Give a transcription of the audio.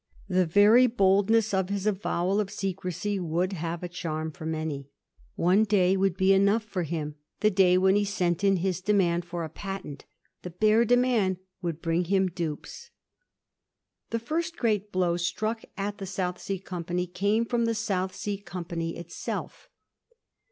The very boldness of his avowal of secrecy would have a charm for many. One day would be enough for him, the day when he sent in his demand for a patent. The bare demand would bring him dupes. The first great blow struck at the South Sea Company came firom the South Sea Company itself.